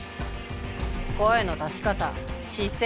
声の出し方姿勢